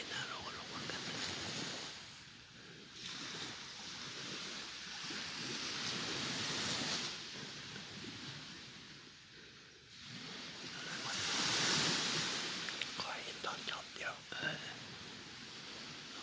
เห็นตอนจบแล้ว